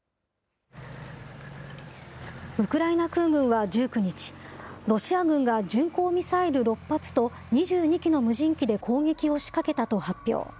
ウクライナ空軍は１９日、ロシア軍が巡航ミサイル６発と２２機の無人機で攻撃を仕掛けたと発表。